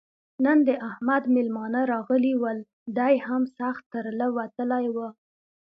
نن د احمد مېلمانه راغلي ول؛ دی هم سخت تر له وتلی وو.